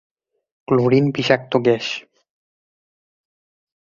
Chlorine gas বিষাক্ত।